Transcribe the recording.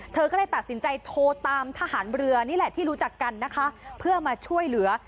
เธอก็เลยตัดสินใจโทรตามทหารเรือนี่แหละที่รู้จักกันนะคะเพื่อมาช่วยเหลือ